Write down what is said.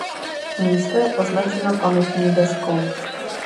Místo je označeno pamětní deskou.